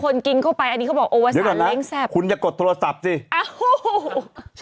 เดี๋ยวก่อนนะคุณอย่ากดโทรศัพท์ซิ